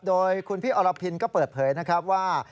โดยคุณพี่อรพินก็เปิดเผยนะครับว่า